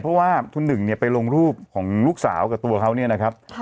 เพราะว่าคุณหนึ่งเนี่ยไปลงรูปของลูกสาวกับตัวเขาเนี่ยนะครับ